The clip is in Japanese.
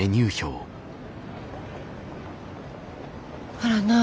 あらない。